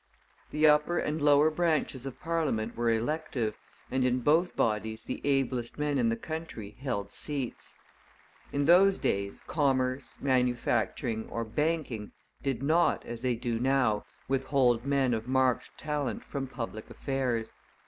The upper and lower branches of parliament were elective, and in both bodies the ablest men in the country held seats. In those days commerce, manufacturing, or banking did not, as they do now, withhold men of marked talent from public affairs.